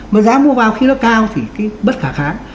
mà giá mua vào khi nó cao thì cái bất khả kháng